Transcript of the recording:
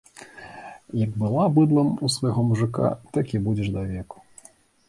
Як была быдлам у свайго мужыка, так і будзеш давеку.